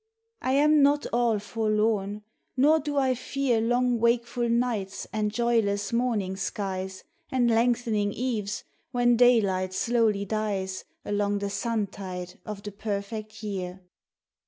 I am not all forlorn, nor do I fear Long wakeful nights and joyless morning skies And lengthening eves when daylight slowly dies Along the suntide of the perfect year.